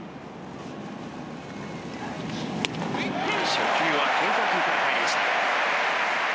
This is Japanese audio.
初球は変化球から入りました。